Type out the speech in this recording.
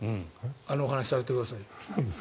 あのお話、されてくださいよ。